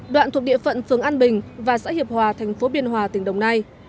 đoạn thuộc địa phận phường an bình và xã hiệp hòa tp biên hòa tỉnh đồng nai